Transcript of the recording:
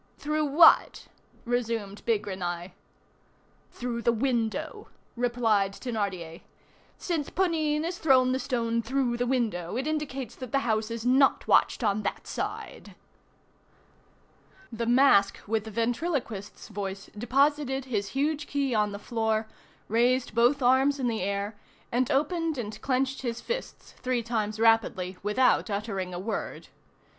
"Through what?" resumed Bigrenaille. "Through the window," replied Thénardier. "Since Ponine has thrown the stone through the window, it indicates that the house is not watched on that side." The mask with the ventriloquist's voice deposited his huge key on the floor, raised both arms in the air, and opened and clenched his fists, three times rapidly without uttering a word.